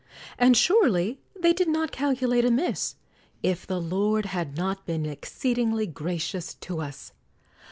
And surely they did not cal culate amiss if the Lord had not been exceedingly gracious to us